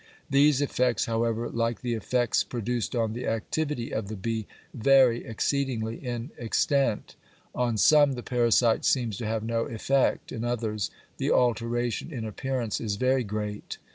These effects, however, like the effects produced on the activity of the bee, vary exceedingly in extent. On some the parasite seems to have no effect, in others the alteration in appearance is very great.